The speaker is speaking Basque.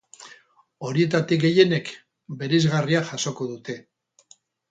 Horietatik gehienek bereizgarria jasoko dute.